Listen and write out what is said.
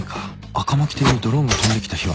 赤巻邸にドローンが飛んできた日は？